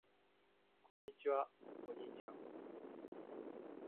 こんにちは。お兄ちゃん。